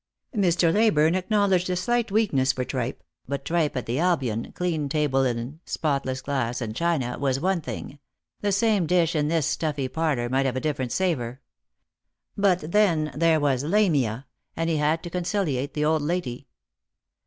Mr. Leyburne acknowledged a slight weakness for tripe, but tripe at the Albion — clean table linen, spotless glass and China — was one thing ; the same dish in this stuffy parlour might have a different savour. But then there was Lamia, and he had to conciliate the old lady.